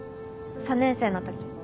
３年生の時。